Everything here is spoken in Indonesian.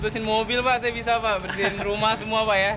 bersihin mobil pak saya bisa pak bersihin rumah semua pak ya